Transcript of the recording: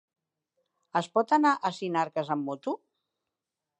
Es pot anar a Sinarques amb moto?